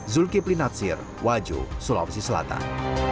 zulkifli natsir wajo sulawesi selatan